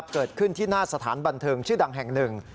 เกิดขึ้นที่หน้าสถานบันเทิงชื่อดังแห่งหนึ่ง